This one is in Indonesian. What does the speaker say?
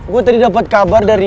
gue tadi dapat kabar dari